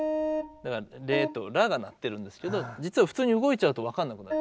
だからレとラが鳴ってるんですけど実は普通に動いちゃうと分かんなくなる。